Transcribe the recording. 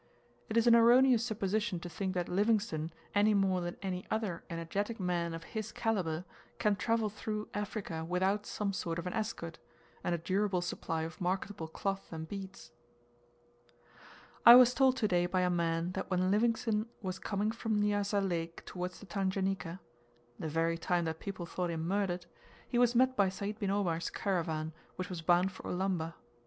It is an erroneous supposition to think that Livingstone, any more than any other energetic man of his calibre, can travel through Africa without some sort of an escort, and a durable supply of marketable cloth and beads. I was told to day by a man that when Livingstone was coming from Nyassa Lake towards the Tanganika (the very time that people thought him murdered) he was met by Sayd bin Omar's caravan, which was bound for Ulamba.